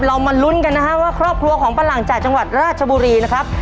มาลุ้นกันนะฮะว่าครอบครัวของป้าหลังจากจังหวัดราชบุรีนะครับ